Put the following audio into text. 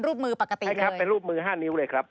รูปมือปกตินะครับเป็นรูปมือห้านิ้วเลยครับ